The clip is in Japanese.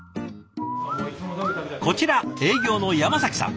こちら営業の山さん。